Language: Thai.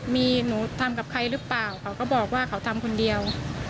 มีหนูทำกับใครหรือเปล่าเขาก็บอกว่าเขาทำคนเดียว